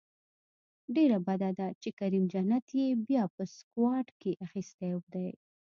ډیره بده ده چې کریم جنت یې بیا په سکواډ کې اخیستی دی